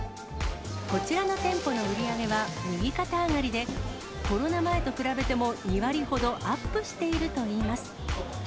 こちらの店舗の売り上げは右肩上がりで、コロナ前と比べても２割ほどアップしているといいます。